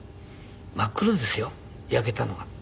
真っ黒ですよ焼けたのが。